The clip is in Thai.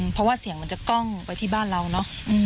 เพราะว่าเสียงมันจะกล้องไปที่บ้านเราเนอะ